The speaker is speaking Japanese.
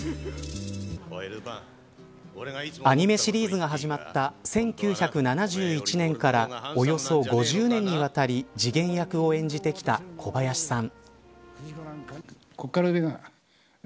アニメシリーズが始まった１９７１年からおよそ５０年にわたり次元役を演じてきた小林さん。